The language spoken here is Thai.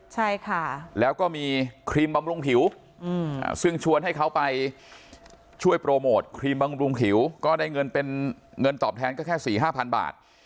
ใช่ค่ะแล้วก็มีครีมบำรุงผิวซึ่งชวนให้เขาไปช่วยโปรโมทครีมบำรุงผิวก็ได้เงินเป็นเงินตอบแทนก็แค่๔๕๐๐บาท